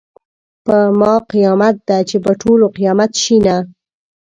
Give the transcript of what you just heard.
په ما قیامت ده چې په ټولو قیامت شینه .